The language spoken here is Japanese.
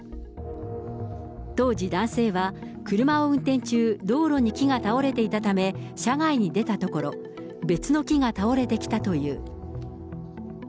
当時、男性は車を運転中、道路に木が倒れていたため、車外に出たところ、別の木が倒れてきたという。